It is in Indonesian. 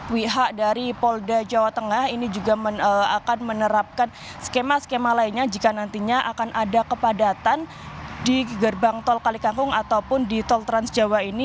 pihak dari polda jawa tengah ini juga akan menerapkan skema skema lainnya jika nantinya akan ada kepadatan di gerbang tol kalikangkung ataupun di tol trans jawa ini